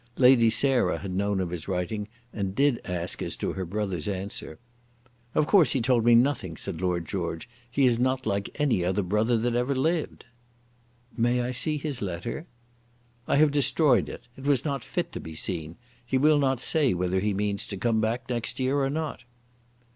Lady Sarah had known of his writing, and did ask as to her brother's answer. "Of course he told me nothing," said Lord George. "He is not like any other brother that ever lived." "May I see his letter?" "I have destroyed it. It was not fit to be seen. He will not say whether he means to come back next year or not."